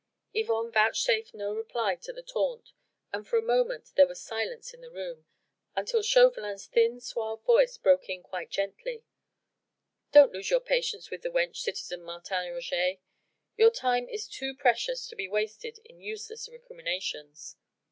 Yvonne vouchsafed no reply to the taunt, and for a moment there was silence in the room, until Chauvelin's thin, suave voice broke in quite gently: "Do not lose your patience with the wench, citizen Martin Roget. Your time is too precious to be wasted in useless recriminations."